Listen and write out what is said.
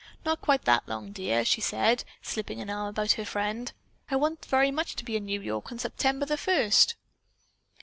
"Not quite that long, dear," she said, slipping an arm about her friend. "I very much want to be in New York on September the first."